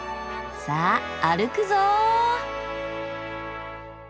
さぁ歩くぞ！